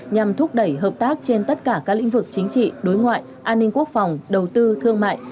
nhằm thúc đẩy hợp tác trên tất cả các lĩnh vực chính trị đối ngoại an ninh quốc phòng đầu tư thương mại